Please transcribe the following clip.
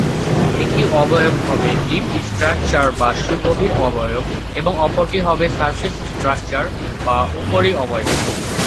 একটি অবয়ব হবে ডিপ স্ট্রাকচার বা সুগভীর অবয়ব এবং অপরটি হবে সারফেস স্ট্রাকচার বা উপরি অবয়ব।